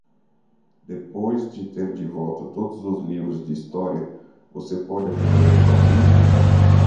Depois de ter de volta todos os livros de história, você pode aprender sozinho?